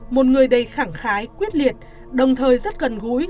một người đầy khẳng khái quyết liệt đồng thời rất gần gũi